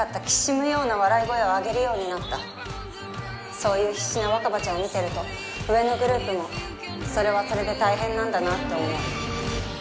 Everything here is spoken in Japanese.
そういう必死な若葉ちゃんを見ていると上のグループもそれはそれで大変なんだなあと思う。